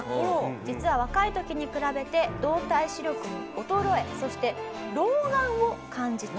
実は若い時に比べて動体視力の衰えそして老眼を感じていたんです。